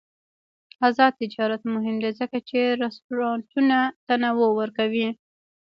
آزاد تجارت مهم دی ځکه چې رستورانټونه تنوع ورکوي.